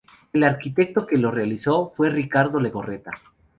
El arquitecto que lo realizó fue Ricardo Legorreta.